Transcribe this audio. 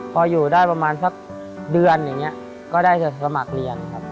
พออยู่ได้ประมาณสักเดือนอย่างนี้ก็ได้จะสมัครเรียนครับ